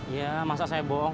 iya masa sebok